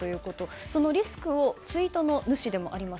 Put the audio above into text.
そのリスクをツイートの主でもあります